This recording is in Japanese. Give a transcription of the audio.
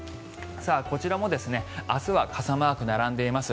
こちらも明日は傘マークが並んでいます。